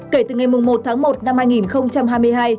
kể từ ngày một tháng một năm hai nghìn hai mươi hai